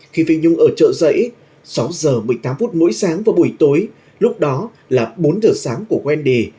khi phi nhung ở trợ giấy sáu giờ một mươi tám phút mỗi sáng và buổi tối lúc đó là bốn giờ sáng của wendy